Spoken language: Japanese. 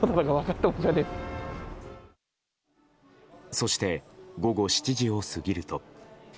そして、午後７時を過ぎると。